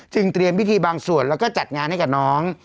เตรียมพิธีบางส่วนแล้วก็จัดงานให้กับน้อง